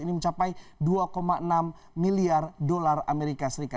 ini mencapai dua enam miliar dolar amerika serikat